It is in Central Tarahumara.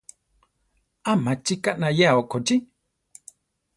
¿A machi kanayéa okochí?